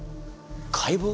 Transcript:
解剖？